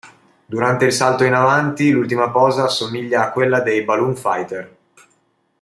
Durante il salto in avanti l'ultima posa assomiglia a quella dei Balloon Fighter.